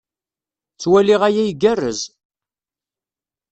Ttwaliɣ aya igerrez.